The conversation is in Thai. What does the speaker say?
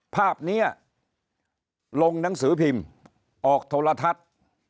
ภาพนี้ลงหนังสือพิมพ์ออกโทรทัศน์